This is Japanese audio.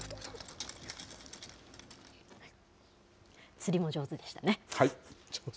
釣りも上手でしたね。